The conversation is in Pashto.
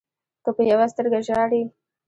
که په يوه سترګه ژاړې